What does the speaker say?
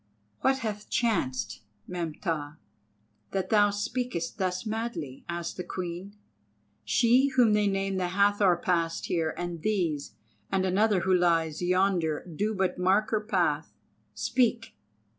"What hath chanced, Meneptah, that thou speakest thus madly?" asked the Queen. "She whom they name the Hathor hath passed here, and these, and another who lies yonder, do but mark her path. Speak!"